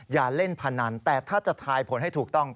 อย่าเล่นพนันแต่ถ้าจะทายผลให้ถูกต้อง